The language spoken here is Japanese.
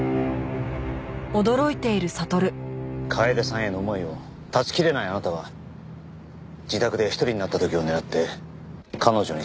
楓さんへの思いを断ち切れないあなたは自宅で一人になった時を狙って彼女に迫った。